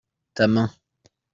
ta main.